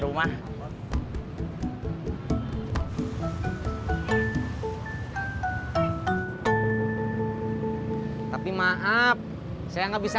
lu ngapain diri aja